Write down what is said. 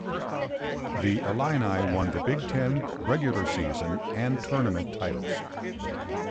The Illini won the Big Ten regular season and Tournament titles.